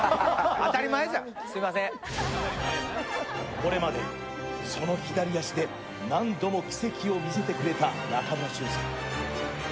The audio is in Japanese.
これまでその左足で何度も奇跡を見せてくれた中村俊輔。